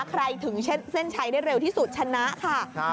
ถึงเส้นชัยได้เร็วที่สุดชนะค่ะ